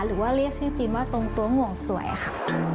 หรือว่าเรียกชื่อจีนว่าตรงตัวห่วงสวยค่ะ